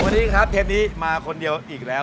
วันนี้ครับเทปนี้มาคนเดียวอีกแล้ว